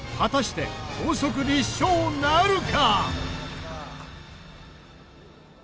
果たして法則立証なるか！？